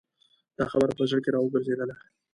دا خبره په زړه کې را وګرځېدله.